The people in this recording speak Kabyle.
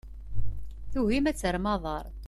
Tugim ad terrem aḍar.